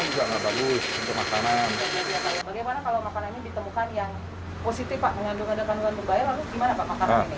bagaimana kalau makanannya ditemukan yang positif pak mengandung ada kandungan berbahaya lalu gimana pak makanan ini